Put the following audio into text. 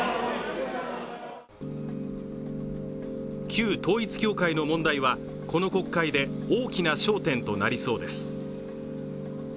旧統一教会の問題は、この国会で大きな焦点となりそうです。